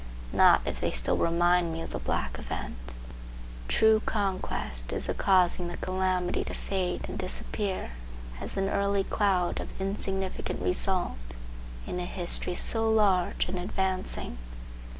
Not if they still remind me of the black event. True conquest is the causing the calamity to fade and disappear as an early cloud of insignificant result in a history so large and advancing.